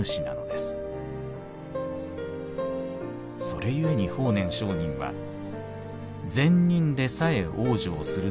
「それゆえに法然上人は『善人でさえ往生するのです。